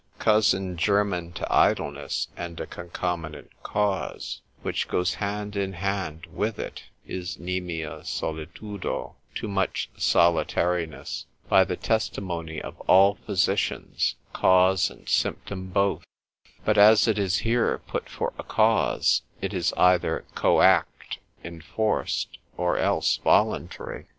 Cousin german to idleness, and a concomitant cause, which goes hand in hand with it, is nimia solitudo, too much solitariness, by the testimony of all physicians, cause and symptom both; but as it is here put for a cause, it is either coact, enforced, or else voluntary.